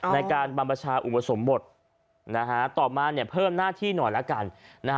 ในการบรรพชาอุปสมบทต่อมาเพิ่มหน้าที่หน่อยแล้วกัน